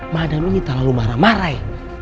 madam ini terlalu marah marah